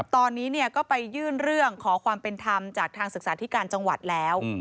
ตอนนี้ก็ไปยื่นเรื่องขอความเป็นธรรมจากทางศึกษาธิการจังหวัดแล้ว